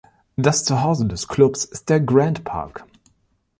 Das Zuhause des Clubs ist der Grant-Park.